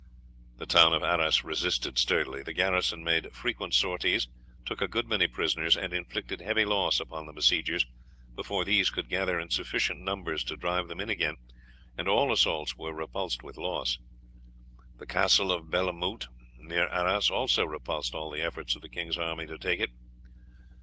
The town of Arras resisted sturdily. The garrison made frequent sorties, took a good many prisoners, and inflicted heavy loss upon the besiegers before these could gather in sufficient numbers to drive them in again, and all assaults were repulsed with loss. The Castle of Belle Moote, near Arras, also repulsed all the efforts of the king's army to take it.